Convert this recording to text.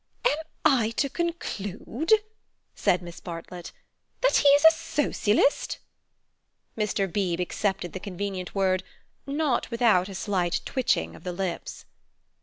"Am I to conclude," said Miss Bartlett, "that he is a Socialist?" Mr. Beebe accepted the convenient word, not without a slight twitching of the lips.